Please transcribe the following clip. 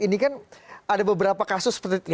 ini kan ada beberapa kasus seperti